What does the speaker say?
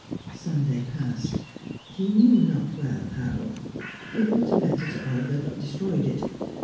Sunday passed, he knew not well how. He wrote a letter to Olga, but destroyed it.